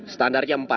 standarnya empat ya